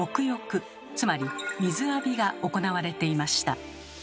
つまり水浴びが行われていました。